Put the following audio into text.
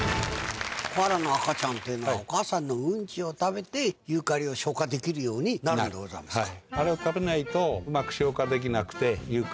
コアラの赤ちゃんっていうのはお母さんのうんちを食べてユーカリを消化できるようになるんでございますか。